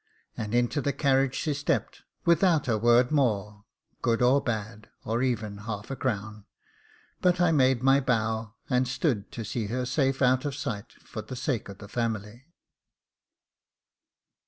And into the carriage she stepped, without a word more, good or bad, or even half a crown; but I made my bow, and stood to see her safe out of sight for the sake of the family.